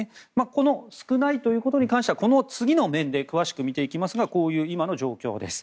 この少ないということに関してはこの次の面で詳しく見ていきますがこういう、今の状況です。